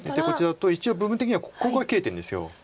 一応部分的にはここが切れてるんです。